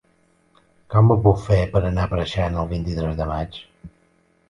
Com ho puc fer per anar a Preixana el vint-i-tres de maig?